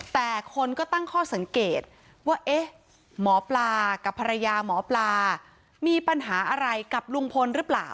แต่คนก็ตั้งข้อสังเกตว่าเอ๊ะหมอปลากับภรรยาหมอปลามีปัญหาอะไรกับลุงพลหรือเปล่า